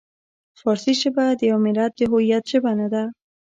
فارسي ژبه د یوه ملت د هویت ژبه نه ده.